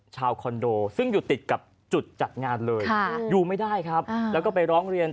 คอนโดซึ่งอยู่ติดกับจุดจัดงานเลยอยู่ไม่ได้ครับแล้วก็ไปร้องเรียน